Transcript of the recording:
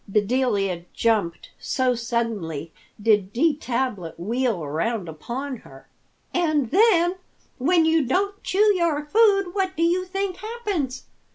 Bedelia jumped, so suddenly did D. Tablet wheel around upon her. "And then when you don't chew your food, what do you think happens?